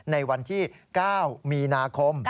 ในวันที่๙มีนาคม